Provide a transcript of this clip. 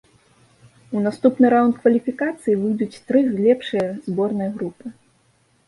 У наступны раўнд кваліфікацыі выйдуць тры лепшыя зборныя групы.